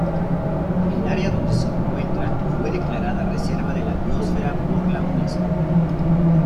El área donde se encuentra fue declarada Reserva de la Biósfera por la Unesco.